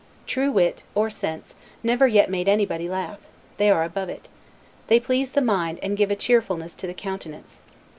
True wit, or sense, never yet made anybody laugh; they are above it: They please the mind, and give a cheerfulness to the countenance.